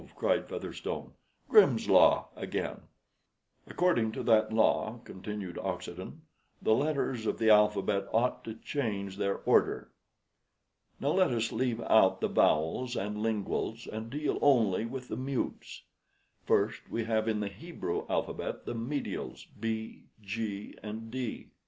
cried Featherstone, "Grimm's Law again!" "According to that law," continued Oxenden, "the letters of the alphabet ought to change their order. Now let us leave out the vowels and linguals, and deal only with the mutes. First, we have in the Hebrew alphabet the medials B, G, and D.